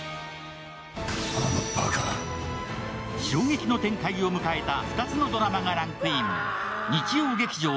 衝撃の天海を迎えた２つのドラマがランクイン。